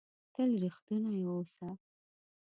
تل ریښتونی اووسه!